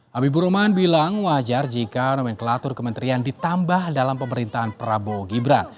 habibur rahman bilang wajar jika nomenklatur kementerian ditambah dalam pemerintahan prabowo gibran